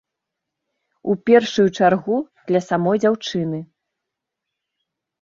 У першую чаргу, для самой дзяўчыны.